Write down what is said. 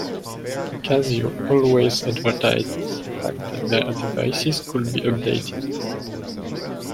Casio always advertised the fact that their devices could be updated.